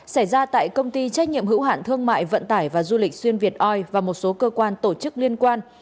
xảy ra tại công ty trách nhiệm hữu hạn thương mại vận tải và du lịch xuyên việt oi và một số cơ quan tổ chức liên quan